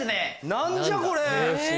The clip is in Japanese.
何じゃこれ！